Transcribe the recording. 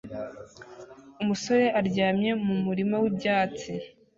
Umusore aryamye mu murima wibyatsi